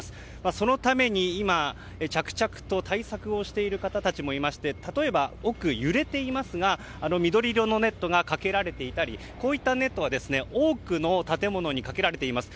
そのために今、着々と対策をしている方たちもいまして例えば、奥で揺れていますが緑色のネットがかけられていたりこういったネットが多くの建物にかけられています。